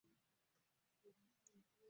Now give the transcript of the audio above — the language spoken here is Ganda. Leero mukwano gwange nga simulabye eko.